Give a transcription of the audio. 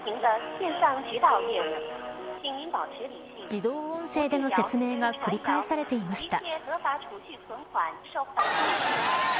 自動音声での説明が繰り返されていました。